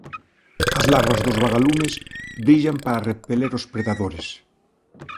As larvas dos vagalumes brillan para repeler aos predadores.